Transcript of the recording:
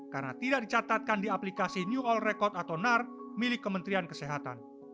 karena tidak dicatatkan di aplikasi new old record atau nar milik kementrian kesehatan